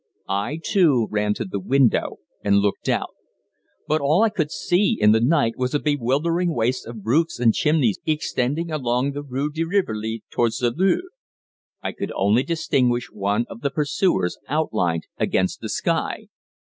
I, too, ran to the window and looked out. But all I could see in the night was a bewildering waste of roofs and chimneys extending along the Rue de Rivoli towards the Louvre. I could only distinguish one of the pursuers outlined against the sky.